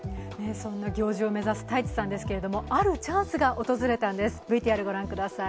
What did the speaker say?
そんな行司を目指す太智さんですけど、あるチャンスが訪れたんです。